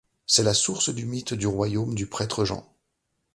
C'est la source du mythe du Royaume du prêtre Jean.